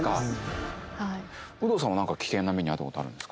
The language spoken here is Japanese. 有働さんは何か危険な目に遭ったことあるんですか？